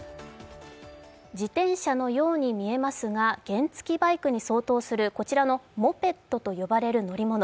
自転車のように見えますが原付バイクに相当するこちらのモペットと呼ばれる乗り物。